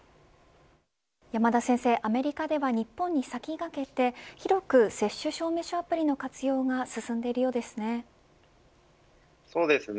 山田先生、アメリカでは日本に先駆けて、広く接種証明書アプリの活用が進んでいるようですね。